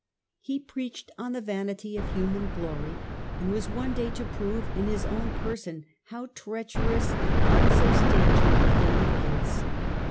He preached on the vanity of human glory, and was one day to prove in his own person how treacherous and unsubstantial a thing it is.